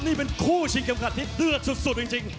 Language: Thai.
นี่เป็นคู่ชินเกรมขัดที่